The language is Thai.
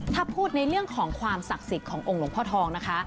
ถ้าพูดในเรื่องของความศักดิ์สิทธิ์ขององค์หลวงพ่อทองนะคะ